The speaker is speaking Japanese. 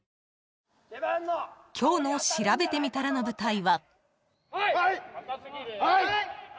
［今日の「しらべてみたら」の舞台は］